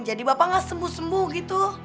jadi bapak enggak sembuh sembuh gitu